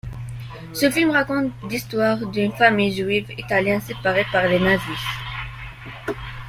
Ce film raconte l'histoire d'une famille juive italienne séparée par les nazis.